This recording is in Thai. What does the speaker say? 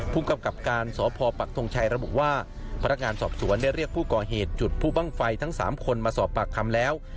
ผู้กำกับการสพปักทงชัยระบุว่าพนักงานสอบสวนได้เรียกผู้ก่อเหตุจุดผู้บ้างไฟทั้ง๓คนมาสอบปากคำแล้ว